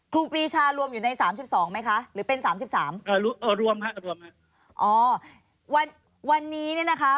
ครูปีชารวมไว้กี่นัดได้ด้วยหรอกคะ